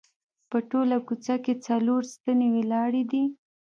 په ټوله کوڅه کې څلور ستنې ولاړې دي.